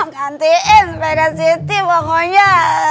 gantiin sepeda siti pokoknya